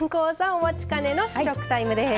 お待ちかねの試食タイムです。